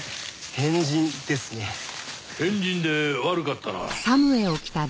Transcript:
変人で悪かったな。